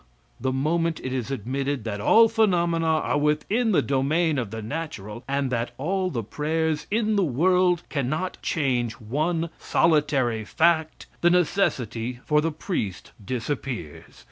The moment it is admitted that all phenomena are within the domain of the natural, and that all the prayers in the world cannot change one solitary fact, the necessity for the priest disappears.